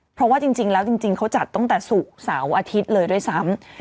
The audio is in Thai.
เพราะว่าจริงแล้วจริงเขาจัดตั้งแต่ศุกร์เสาร์อาทิตย์เลยด้วยซ้ำ